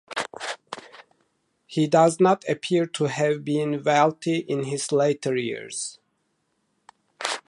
He does not appear to have been wealthy in his later years.